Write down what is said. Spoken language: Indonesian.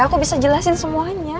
aku bisa jelasin semuanya